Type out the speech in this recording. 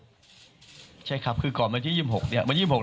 แนวทางที่๒จะต้องกำลังตามให้แล้วเสร็จปล่อยเป็น๓วันนี้ใช่ไหมคะ